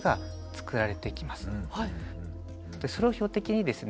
それを標的にですね